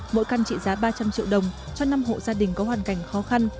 mỗi căn trị giá ba trăm linh triệu đồng cho năm hộ gia đình có hoàn cảnh khó khăn